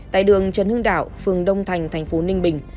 tại đường trần hưng đạo phường đông thành thành phố ninh bình